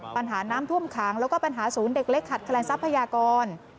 ปัญหาน้ำท่วมขังแล้วก็ปัญหาศูนย์เด็กเล็กขัดแคลนทรัพยากร